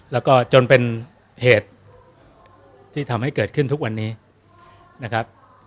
แล้วก็จนเป็นเหตุที่ทำให้เกิดขึ้นทุกวันนี้นะครับ